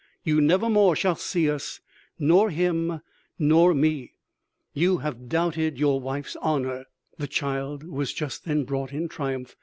You never more shall see us, nor him, nor me.... You have doubted your wife's honor!'" "The child was just then brought in triumph.